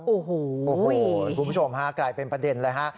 โอ้โหคุณผู้ชมฮะกลายเป็นประเด็นเลยฮะ